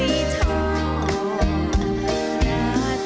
เสียงรัก